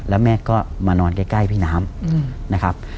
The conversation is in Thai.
แล้วแม่ก็มานอนใกล้พี่น้ำนะครับ